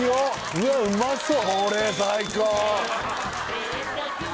うわうまそう！